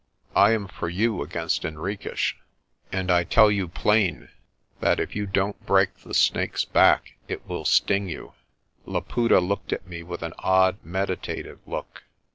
I am for you against Henriques, and I tell you plain that if you don't break the snake's back it will sting you." Laputa looked at me with an odd, meditative look.